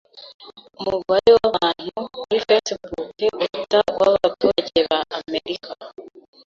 Umubare wabantu kuri Facebook uruta uw'abaturage ba Amerika